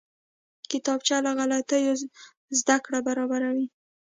کتابچه له غلطیو زده کړه برابروي